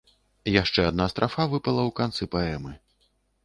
Яшчэ адна страфа выпала ў канцы паэмы.